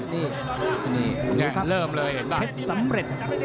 นี่นี่ครับเท็จสำเร็จ